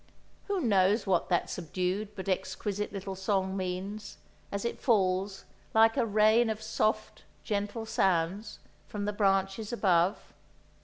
Who knows what that subdued but exquisite little song means, as it falls, like a rain of soft, gentle sounds from the branches above?